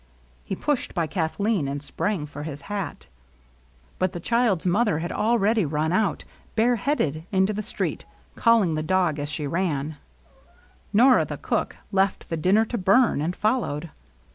He pushed by Kathleen and sprang for his hat. i LOOKING IDLY ABOUT LOVELINESS. 16 But the child's mother had ahready run out^ bare headed^ into the street^ calling the dog as she ran. Nora^ the cook^ left the dinner to bum^ and fol lowed.